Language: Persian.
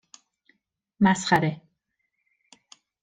مسخره